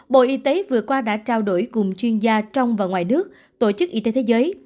bộ y tế vừa qua đã trao đổi cùng chuyên gia trong và ngoài nước tổ chức y tế thế giới